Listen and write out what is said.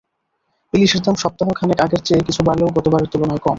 ইলিশের দাম সপ্তাহ খানেক আগের চেয়ে কিছু বাড়লেও গতবারের তুলনায় কম।